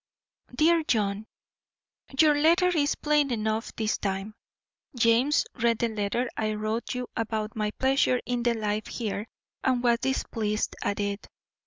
DEAR JOHN: Your letter is plain enough this time. James read the letter I wrote you about my pleasure in the life here and was displeased at it.